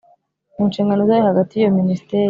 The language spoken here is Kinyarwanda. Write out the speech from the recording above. mu nshingano zayo Hagati y iyo Minisiteri